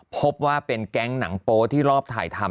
พบว่าเป็นแก๊งหนังโป๊ที่รอบถ่ายทำ